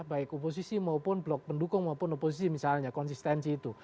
baik oposisi maupun blok pendukung maupun oposisi misalnya konsistensi itu